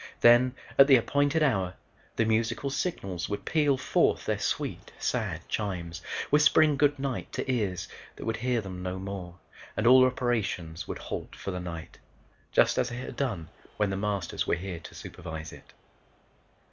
Then, at the appointed hour, the musical signals would peal forth their sweet, sad chimes, whispering goodnight to ears that would hear them no more and all operations would halt for the night, just as it had done when The Masters were here to supervise it.